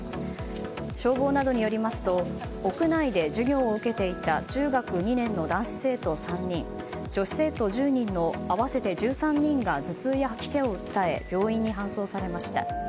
消防などによりますと屋内で授業を受けていた中学２年の男子生徒３人女子生徒１０人の会わせて１３人が頭痛や吐き気を訴え病院に搬送されました。